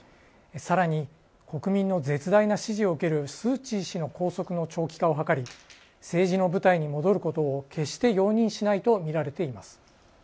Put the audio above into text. さらに国民の絶大な支持を受けるスー・チー氏の拘束の長期化を図り政治の舞台に戻ることを決して容認しないとみられています。